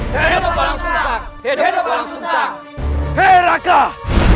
kita harusematics dia pasti murah